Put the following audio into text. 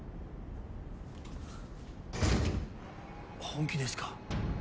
本気ですか？